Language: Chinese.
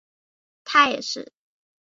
他也是西西里国王。